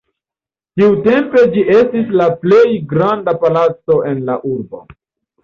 Tiutempe ĝi estis la plej granda palaco en la urbo.